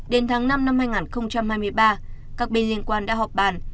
đến tháng năm năm hai nghìn hai mươi ba các bên liên quan đã họp bàn